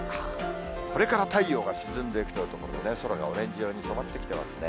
これから太陽が沈んでいくというところでね、空がオレンジ色に染まってきていますね。